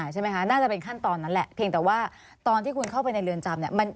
ใช่ไหมคะน่าจะเป็นขั้นตอนนั้นแหละเพียงแต่ว่าตอนที่คุณเข้าไปในเรือนจำเนี่ย